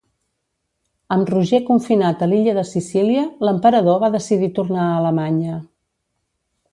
Amb Roger confinat a l'illa de Sicília, l'emperador va decidir tornar a Alemanya.